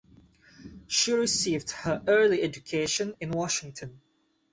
She received her early education in Washington.